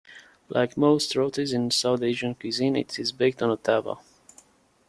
Like most rotis in South Asian cuisine, it is baked on a "tava".